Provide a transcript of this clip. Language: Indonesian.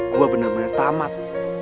gue benar benar tamat